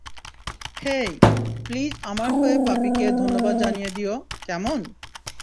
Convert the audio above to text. হেই, please আমার হয়ে পাপিকে ধন্যবাদ জানিয়ে দিও, কেমন?